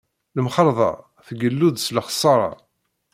Lemxalḍa tgellu-d s lexṣara.